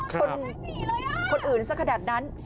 ชนคนอื่นสักขนาดนั้น